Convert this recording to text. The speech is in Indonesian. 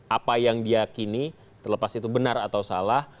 apa yang diakini terlepas itu benar atau salah